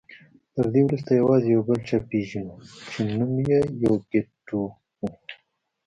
تر دې وروسته یوازې یو بل پاچا پېژنو چې نوم یې یوکیت ټو و